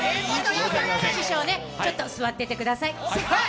ちょっと座っていてください。